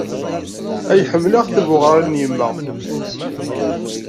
Ay ḥemmleɣ tibuɣarin n yemma.